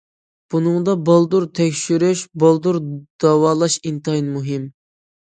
بۇنىڭدا بالدۇر تەكشۈرۈش، بالدۇر داۋالاش ئىنتايىن مۇھىم.